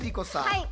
はい。